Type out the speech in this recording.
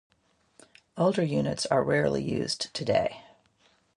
Older units are rarely used today.